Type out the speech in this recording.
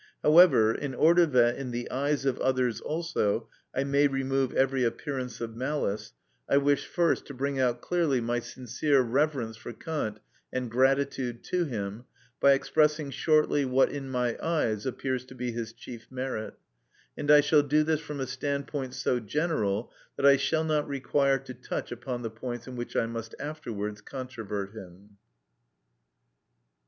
However, in order that, in the eyes of others also, I may remove every appearance of malice, I wish first to bring out clearly my sincere reverence for Kant and gratitude to him, by expressing shortly what in my eyes appears to be his chief merit; and I shall do this from a standpoint so general that I shall not require to touch upon the points in which I must afterwards controvert him.